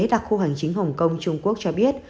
đặc khu hành chính hồng kông trung quốc cho biết